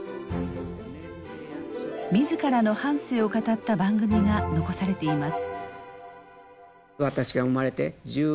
自らの半生を語った番組が残されています。